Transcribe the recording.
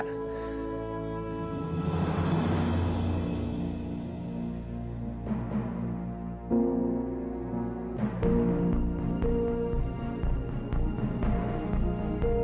karena selalu kotak cok